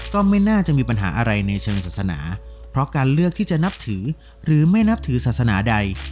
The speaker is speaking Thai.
ก็ไม่น่าจะมีปัญหาอะไรในเชิงศาสนาเพราะการเลือกที่จะนับถือหรือไม่นับถือศาสนาใด